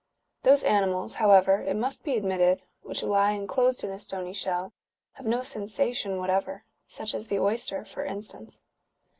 Those animals, however, it must be admitted, which lie en closed in a stony shell, have no sensation whatever — such as the oyster, ^^ for instance.